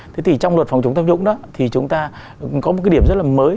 thế thì trong luật phòng chống tham nhũng đó thì chúng ta có một cái điểm rất là mới